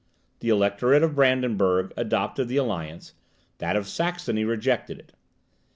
The Electorate of Brandenburg adopted the alliance, that of Saxony rejected it.